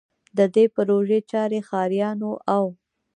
د دې پروژې چارې ښاریانو او